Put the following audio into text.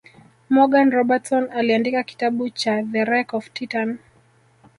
Morgan Robertson aliandika kitabu cha The Wreck Of Titan